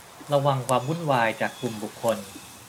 ระวังความวุ่นวายจากกลุ่มบุคคล